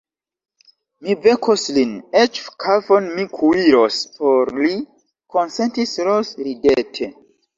Mi vekos lin, eĉ kafon mi kuiros por li, konsentis Ros ridete.